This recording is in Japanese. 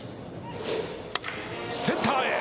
センターへ。